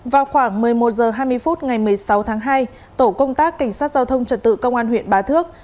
vào khoảng một mươi một h hai mươi phút ngày một mươi sáu tháng hai tổ công tác cảnh sát giao thông trật tự công an huyện bá thước